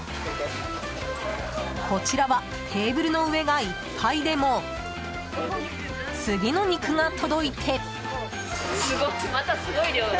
こちらは、テーブルの上がいっぱいでも次の肉が届いて。